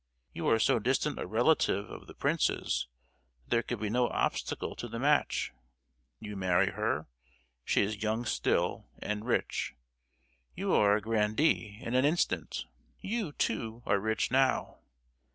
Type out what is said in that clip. You are so distant a relative of the prince's that there could be no obstacle to the match; you marry her—she is young still, and rich. You are a grandee in an instant! you, too, are rich now!